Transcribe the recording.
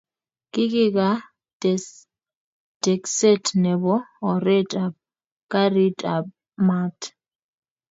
kikikaa tekset nebo oret ab karit ab maat